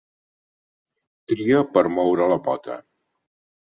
Tria per moure la pota.